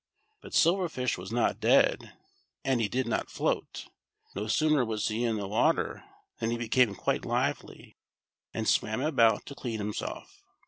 But Silver Fish was not dead, and he did not float. No sooner was he in the water than he became quite lively, and swam about to clean him self.